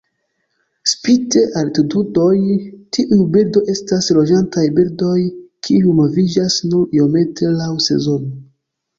Spite altitudoj tiuj birdoj estas loĝantaj birdoj kiuj moviĝas nur iomete laŭ sezono.